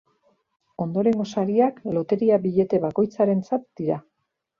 Ondorengo sariak loteria-billete bakoitzarentzat dira.